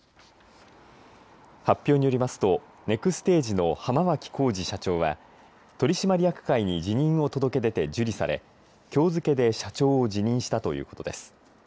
発表によりますとネクステージの浜脇浩次社長は取締役会に辞任を届け出て受理されきょう付けで社長を辞任したということです。